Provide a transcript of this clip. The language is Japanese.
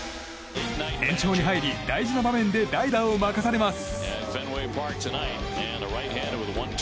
延長に入り、大事な場面で代打を任されます。